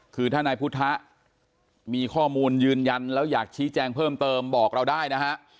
คือถ้านายพุทธมีข้อมูลยืนยันแล้วอยากชี้แจงเพิ่มเติมบอกเราได้นะฮะ